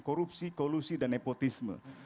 korupsi kolusi dan nepotisme